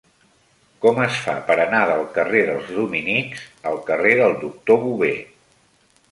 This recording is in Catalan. Com es fa per anar del carrer dels Dominics al carrer del Doctor Bové?